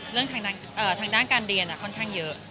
เรื่องทางด้านการเรียนค่อนข้างเยอะ